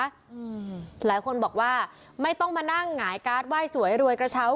อืมหลายคนบอกว่าไม่ต้องมานั่งหงายการ์ดไหว้สวยรวยกระเช้า